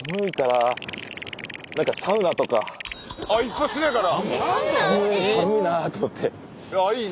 あっ一発目から？